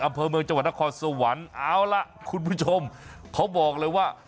อำเภอเมืองจังหวัดนครสวรรค์เอาล่ะคุณผู้ชมเขาบอกเลยว่า